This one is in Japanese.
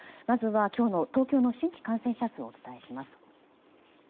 まずは今日の東京の新規感染者数をお伝えします。